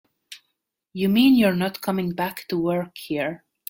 You mean you're not coming back to work here?